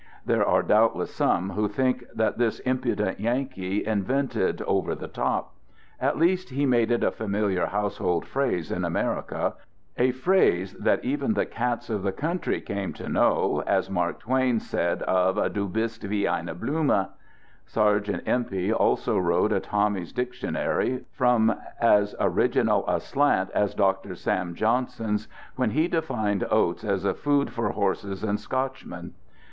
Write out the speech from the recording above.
There are doubtless some who think that this " impudent Yankee " invented " Over the Top." At least he made it a familiar household phrase in America ; a phrase that even the cats of the country came to know, as Mark Twain said of " Du bist wie eine Blume." Sergeant Empey also wrote a Tom my's dictionary, from as original a slant as Dr. Sam Johnson s when he defined oats as a food for horses and Scotchmen.